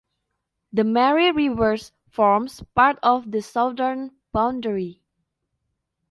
The "Mary River" forms part of the southern boundary.